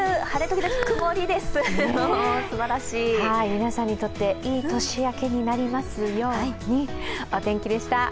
皆さんにとっていい年明けになりますように。